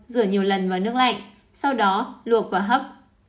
rửa nhiều lần vào nước lạnh sau đó luộc quả hấp